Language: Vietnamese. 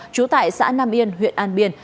trú tại xã nam yên huyện an biên